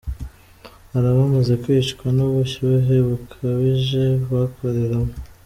Hari abamaze kwicwa n’ubushyuhe bukabije bakoreramo’.